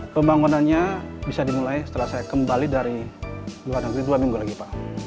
pembangunannya bisa dimulai setelah saya kembali dari luar negeri dua minggu lagi pak